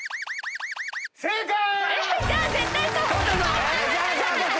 正解！